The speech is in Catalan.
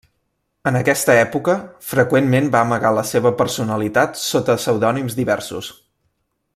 En aquesta època, freqüentment va amagar la seva personalitat sota pseudònims diversos.